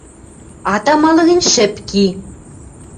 — Ат амалы гӹнь, шӹп ки.